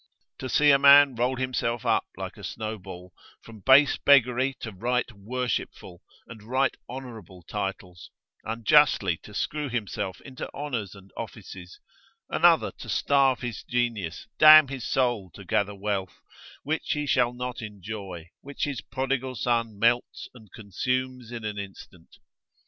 To see a man roll himself up like a snowball, from base beggary to right worshipful and right honourable titles, unjustly to screw himself into honours and offices; another to starve his genius, damn his soul to gather wealth, which he shall not enjoy, which his prodigal son melts and consumes in an instant.